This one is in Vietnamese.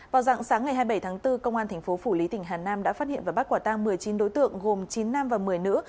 vào dạng sáng ngày hai mươi bảy tháng bốn công an thành phố phủ lý tỉnh hà nam đã phát hiện và bắt quả tang một mươi chín đối tượng gồm chín nam và một mươi nữ